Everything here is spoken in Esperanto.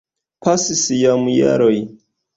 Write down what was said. Pasis jam jaroj.